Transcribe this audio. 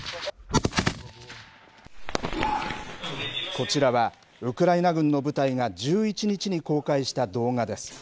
こちらは、ウクライナ軍の部隊が１１日に公開した動画です。